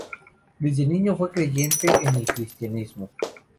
Desde niño fue creyente en el cristianismo.